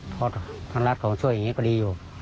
เพราะทางรัฐเขาช่วยอย่างนี้ก็ดีอยู่